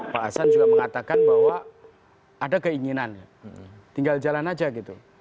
pak hasan juga mengatakan bahwa ada keinginan ya tinggal jalan aja gitu